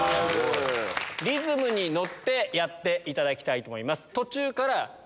リズムに乗ってやっていただきたいと思います。